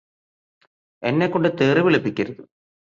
എന്നെക്കൊണ്ട് തെറി വിളിപ്പിക്കരുത്